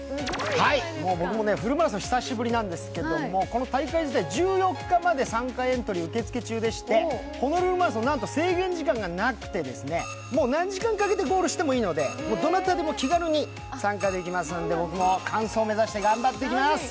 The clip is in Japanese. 僕もフルマラソン久しぶりなんですけれどもこの大会自体１４日まで参加エントリーを受付中でございまして、ホノルルマラソン、なんと制限時間がなくてもう何時間かけてゴールしてもいいのでどなたでも、気軽に参加できますので僕も完走を目指して頑張ってきます。